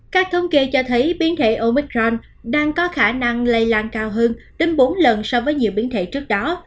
các thông kỳ cho thấy biến thể omicron đang có khả năng lây lan cao hơn tính bốn lần so với nhiều biến thể trước đó